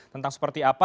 tentang seperti apa